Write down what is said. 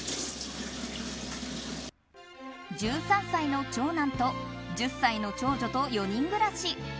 １３歳の長男と１０歳の長女と４人暮らし。